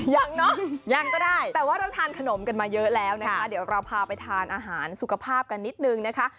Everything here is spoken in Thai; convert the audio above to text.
ยังเนอะยังก็ได้แต่ว่าเราทานขนมกันมาเยอะแล้วนะคะเดี๋ยวเราพาไปทานอาหารสุขภาพกันนิดนึงนะคะ